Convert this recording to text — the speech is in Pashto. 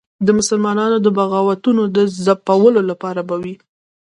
د مسلمانانو بغاوتونو د ځپلو لپاره به وي.